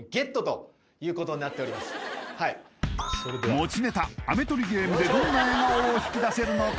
持ちネタアメ取りゲームでどんな笑顔を引き出せるのか？